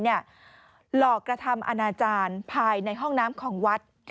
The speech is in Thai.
หลอกกระทำอนาจารย์ภายในห้องน้ำของวัด